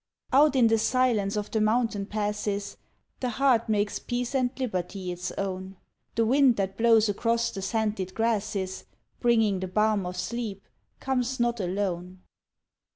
Out in the silence of the mountain passes, The heart makes peace and liberty its own The wind that blows across the scented grasses Bringing the balm of sleep comes not alone.